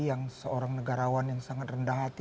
yang seorang negarawan yang sangat rendah hati